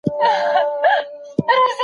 له درواغو ويلو څخه بايد په کلکه ډډه وسي.